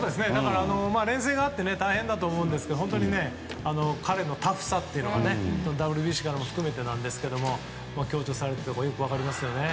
連戦があって大変だと思うんですけど本当に、彼のタフさというのがＷＢＣからも含めてですが強調されているのがよく分かりますよね。